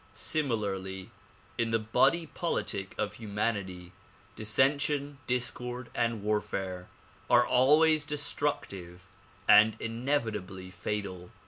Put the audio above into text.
Similarly, in the body politic of humanity, dissension, discord and warfare are always destructive and inevitably fatal.